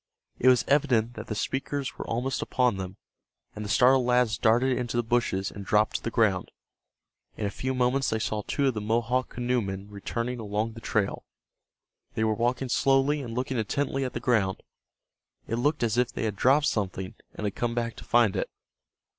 It was evident that the speakers were almost upon them, and the startled lads darted into the bushes and dropped to the ground. In a few moments they saw two of the Mohawk canoemen returning along the trail. They were walking slowly and looking intently at the ground. It looked as if they had dropped something, and had come back to find it.